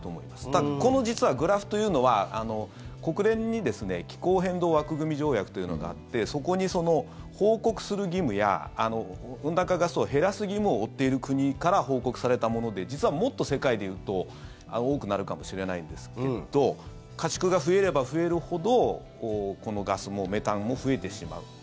ただ、実はこのグラフというのは国連に気候変動枠組条約というのがあってそこに、報告する義務や温暖化ガスを減らす義務を負っている国から報告されたもので実はもっと世界でいうと多くなるかもしれないんですけど家畜が増えれば増えるほどこのガスも、メタンも増えてしまうと。